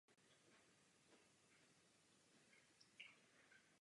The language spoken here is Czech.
Vývoj obce byl úzce spjat s osudy Nového hradu.